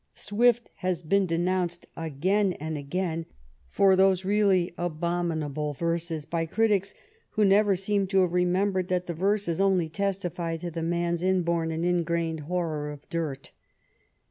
Swift has been denounced again and again for those really abom inable verses by critics who never seem to have re membered that the verses only testified to the man's inborn and ingrained horror of dirt.